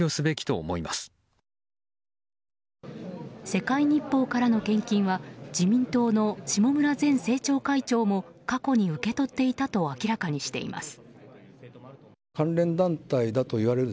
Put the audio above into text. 世界日報からの献金は自民党の下村前政調会長も過去に受け取っていたと明らかにしています。